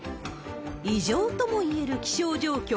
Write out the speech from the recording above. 異常ともいえる気象状況。